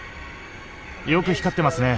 よく光ってますね。